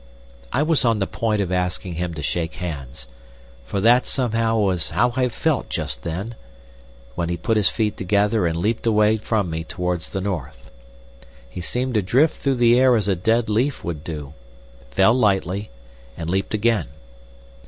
I was on the point of asking him to shake hands—for that, somehow, was how I felt just then—when he put his feet together and leapt away from me towards the north. He seemed to drift through the air as a dead leaf would do, fell lightly, and leapt again.